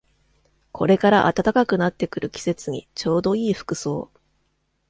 これから暖かくなってくる季節にちょうどいい服装